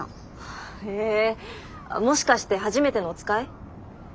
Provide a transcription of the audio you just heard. へえもしかしてはじめてのおつかい？